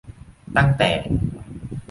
ตั้งแต่